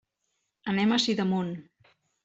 Anem a Sidamon.